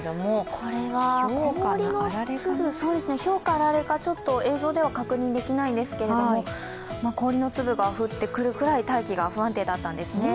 これはひょうかあられか映像からでは確認できないんですけど、氷の粒が降ってくるくらい、大気が不安定だったんですね。